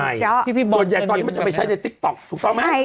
ส่วนใหญ่ตอนนี้มันจะไปใช้ในติ๊กต๊อกถูกต้องไหม